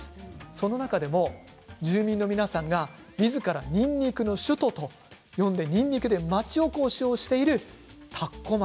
その中でも住民の皆さんがみずからにんにくの首都と呼んでにんにくで町おこしをしている田子町